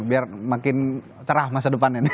biar makin cerah masa depannya